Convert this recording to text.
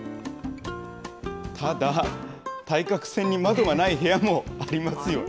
ただ、対角線に窓がない部屋もありますよね。